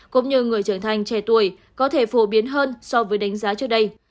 cũng như người trưởng thành trẻ tuổi có thể phổ biến hơn so với đánh giá trước đây